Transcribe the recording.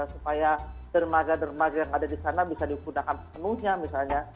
supaya dermaga dermaga yang ada di sana bisa digunakan penuhnya misalnya